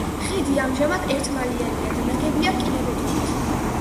ხიდი ამჟამად ერთმალიანია და ნაგებია რკინაბეტონით.